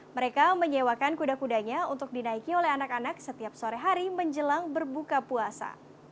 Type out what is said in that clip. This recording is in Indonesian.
mereka menyewakan kuda kudanya untuk dinaiki oleh anak anak setiap sore hari menjelang berbuka puasa